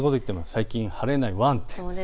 最近晴れないワン！